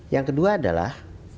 yang kedua adalah